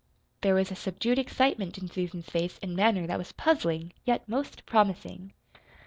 There was a subdued excitement in Susan's face and manner that was puzzling, yet most promising.